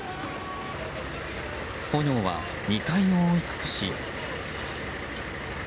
炎は２階を覆い尽くし。